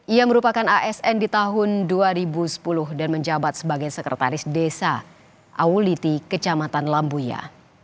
ia merupakan asn di tahun dua ribu sepuluh dan menjabat sebagai sekretaris desa auliti kecamatan lambuya